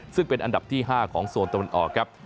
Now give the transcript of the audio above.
ซึ่งเป็นอันดับที่๕ของโซนตะวันออกครับ